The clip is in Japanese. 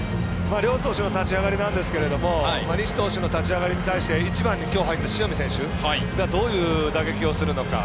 両投手立ち上がりですが西投手の立ち上がりについて１番にきょう、入った塩見選手がどういう打撃をするのか。